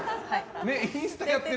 インスタやってる？